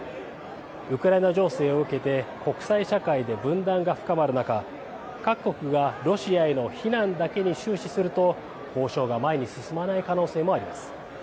ウクライナ情勢を受けて国際社会で分断が深まる中各国がロシアへの非難だけに終始すると交渉が前に進まない可能性もあります。